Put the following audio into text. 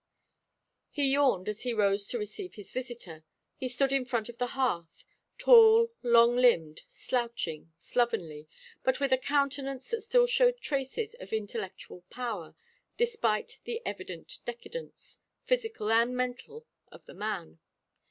He yawned as he rose to receive his visitor. He stood in front of the hearth, tall, long limbed, slouching, slovenly, but with a countenance that still showed traces of intellectual power, despite the evident decadence, physical and mental, of the man.